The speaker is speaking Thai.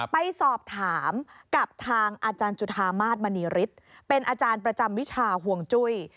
ไปสอบถามกับทางอาจารย์จุธามาศมณีฤทธิ์เป็นอาจารย์ประจำวิชาห่วงจุ้ย